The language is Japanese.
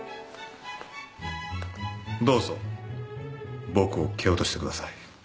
どうぞ僕を蹴落としてください。